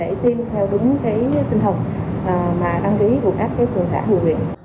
mà đăng ký vụt áp trường xã hồ chí minh